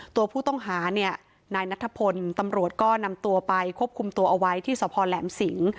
ตัวผู้ต้องหาเนี่ยนายนัทพลตำรวจก็นำตัวไปควบคุมตัวเอาไว้ที่สพแหลมสิง